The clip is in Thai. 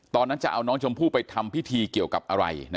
ตอนนั้นจะเอาน้องชมพู่ไปทำพิธีเกี่ยวกับอะไร